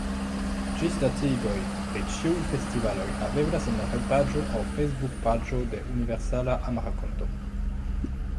Ĝisdatigoj pri ĉiuj festivaloj haveblas en la retpaĝo aŭ Facebook-paĝo de Universala Amrakonto.